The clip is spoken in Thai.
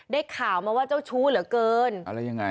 ได้ข่าวมาว่าเจ้าชู้เหลือเกิน